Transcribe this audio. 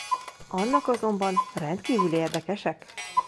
Annak azonban rendkívül érdekesek.